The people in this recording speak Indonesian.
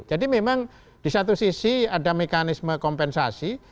jadi memang di satu sisi ada mekanisme kompensasi